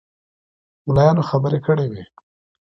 ملایانو خبرې کړې وې.